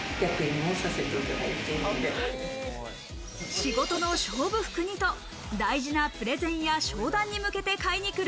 仕事の勝負服にと大事なプレゼンや商談に向けて買いに来る